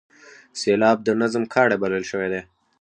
سېلاب د نظم کاڼی بلل شوی دی.